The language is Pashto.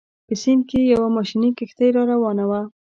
په سیند کې یوه ماشیني کښتۍ راروانه وه.